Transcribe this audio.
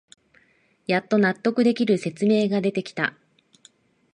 やっと納得できる説明が出てきた